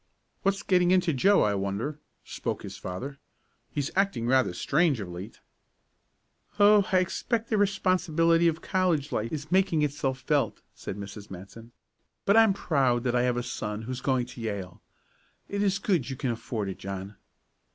"What's getting into Joe, I wonder?" spoke his father. "He's acting rather strange of late." "Oh, I expect the responsibility of college life is making itself felt," said Mrs. Matson. "But I'm proud that I have a son who is going to Yale. It is good you can afford it, John."